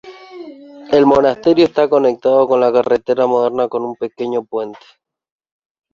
El monasterio está conectado con la carretera moderna con un pequeño puente.